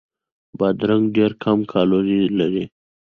بادرنګ ډېر کم کالوري لري.